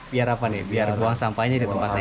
biar apa nih biar buang sampahnya di tempatnya ya